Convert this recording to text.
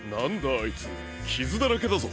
あいつきずだらけだぞ。